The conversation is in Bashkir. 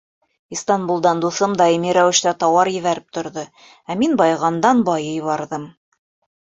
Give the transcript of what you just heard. Истанбулдан дуҫым даими рәүештә тауар ебәреп торҙо, ә мин байығандан-байый барҙым.